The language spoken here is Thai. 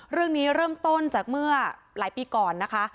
เรื่องนี้เริ่มต้นจากเมื่อหลายปีก่อนนะคะ